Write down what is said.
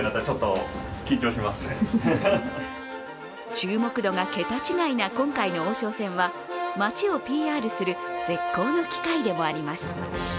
注目度が桁違いの今回の王将戦は街をＰＲする絶好の機会でもあります。